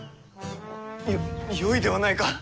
よよいではないか。